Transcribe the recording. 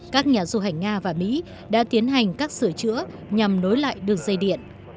các nhà du hành nga và mỹ đã tiến hành các sửa chữa nhằm nối lại đường dây điện